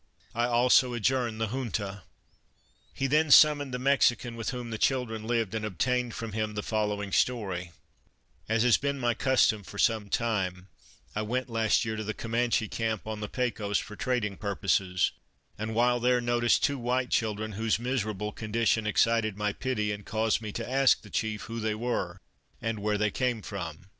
I also adjourn the Junta." He then summoned the Mexican with whom the children lived and obtained from him the following story :" As has been my custom for some time, I went last year to the Comanche Camp on the Pecos for trading purposes, and while there noticed two white children whose miserable condition excited my pity and caused me to ask the chief who they were and where they came from.